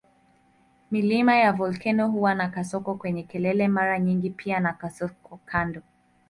Milima ya volkeno huwa na kasoko kwenye kelele mara nyingi pia na kasoko kando.